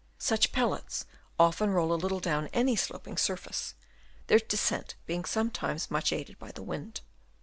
Such pellets often roll a little down any sloping surface ; their descent being sometimes much aided by the wind.